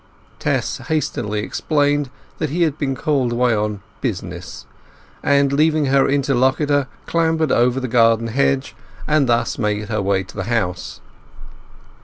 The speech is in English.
Tess hastily explained that he had been called away on business, and, leaving her interlocutor, clambered over the garden hedge, and thus made her way to the house.